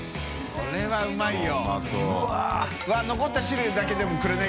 これはうまいよ。